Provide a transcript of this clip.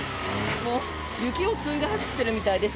雪を積んで走ってるみたいです。